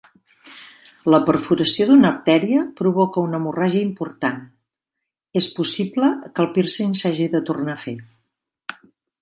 La perforació d'una artèria provoca una hemorràgia important; és possible que el pírcing s'hagi de tornar a fer.